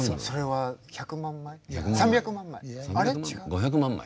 ５００万枚。